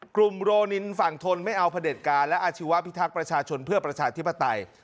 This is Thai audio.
โรนินฝั่งทนไม่เอาพระเด็จการและอาชีวะพิทักษ์ประชาชนเพื่อประชาธิปไตย